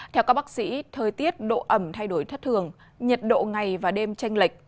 theo các bác sĩ thời tiết độ ẩm thay đổi thất thường nhiệt độ ngày và đêm tranh lệch